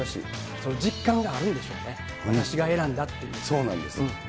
その実感があるんでしょうね、そうなんですよ。